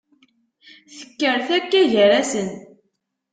Tekker takka gar-asen.